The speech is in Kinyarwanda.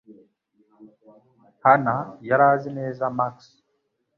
Hana yari azi neza Max